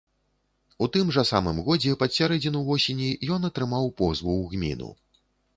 У тым жа самым годзе, пад сярэдзіну восені, ён атрымаў позву ў гміну.